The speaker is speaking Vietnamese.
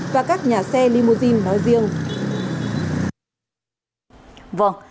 và các nhà xe limousine nói riêng